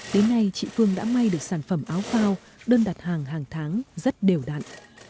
đến nay chị phương đã may được sản phẩm áo phao đơn đặt hàng hàng tháng rất đều đặn